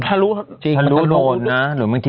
ทะลุโดรนนะ